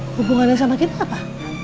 hubungannya sama kita apa